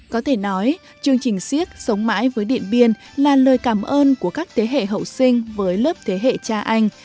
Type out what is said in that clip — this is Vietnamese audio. có thể nói chương trình siếc sống mãi với điện biên là lời cảm ơn của các thế hệ hậu sinh với lớp thế hệ cha anh